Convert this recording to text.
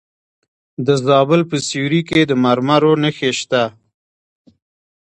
د زابل په سیوري کې د مرمرو نښې شته.